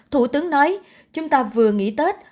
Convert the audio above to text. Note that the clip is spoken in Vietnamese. thủ tướng nói chúng ta vừa nghỉ tết